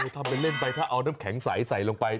ทำเป็นเล่นไปถ้าเอาน้ำแข็งใสใส่ลงไป